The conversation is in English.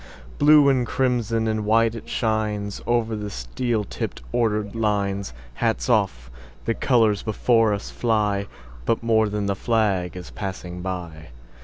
Blue and crimson and white it shines, Over the steel tipped, ordered lines. Hats off! The colors before us fly; But more than the flag is passing by.